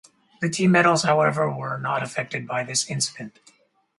The team medals, however, were not affected by this incident.